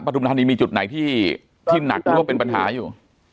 ปฐมธรรมนี้มีจุดไหนที่ที่หนักโลกเป็นปัญหาอยู่